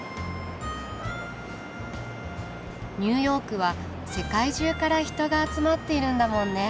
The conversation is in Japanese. ニューヨークは世界中から人が集まっているんだもんね。